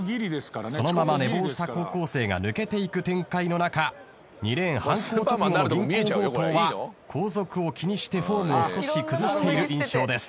そのまま寝坊した高校生が抜けていく展開の中２レーン犯行直後の銀行強盗は後続を気にしてフォームを少し崩している印象です。